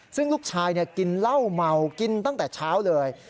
ซึ่งลูกชายกินเหล้าเมากินตั้งแต่เช้าเลย